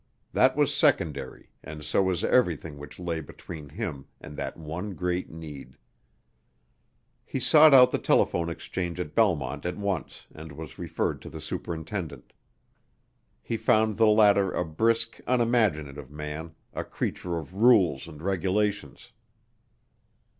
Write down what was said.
That was secondary and so was everything which lay between him and that one great need. He sought out the telephone exchange at Belmont at once and was referred to the superintendent. He found the latter a brisk, unimaginative man a creature of rules and regulations.